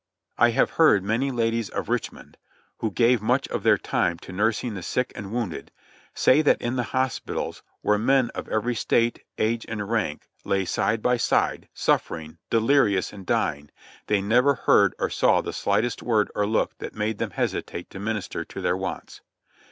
I have heard many ladies of Richmond, who gave much of their time to nursing the sick and wounded, say that in the hospitals, where men of every state, age and rank lay side by side, suiTering, delirious and dying, they never heard or saw the slightest word or look that made them hesitate to minister to their wants.